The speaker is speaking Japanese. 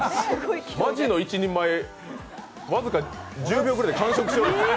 マジの一人前、僅か１０秒ぐらいで完食してる。